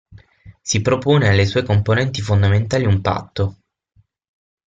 Si propone alle sue componenti fondamentali un patto.